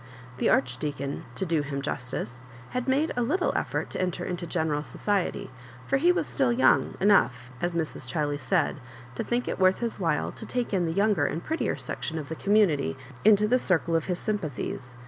The Archdeacon, to do him jus tice, had made*' a little effort tp enter intp general society; for lie was stQl young — enough," as Mra Chiley said, to think it worth' his while to take in the younger and prettier section of the community into the circle of his sympathies.